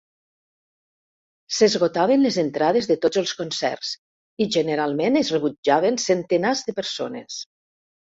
S'esgotaven les entrades de tots els concerts, i generalment es rebutjaven centenars de persones.